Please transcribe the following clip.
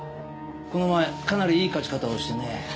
この前かなりいい勝ち方をしてね。